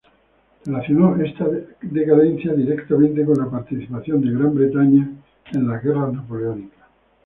Relacionó esta decadencia directamente con la participación de Gran Bretaña en las Guerras Napoleónicas.